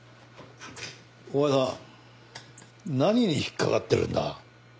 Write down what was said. お前さんは何に引っ掛かってるんだ？